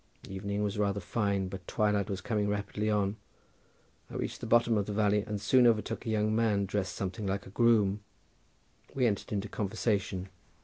The evening was rather fine but twilight was coming rapidly on. I reached the bottom of the valley and soon overtook a young man dressed something like a groom. We entered into conversation.